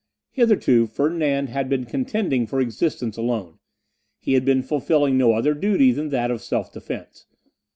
Hitherto Ferdinand had been contending for existence alone; he had been fulfilling no other duty than that of self defence.